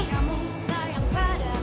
gak ada yang tau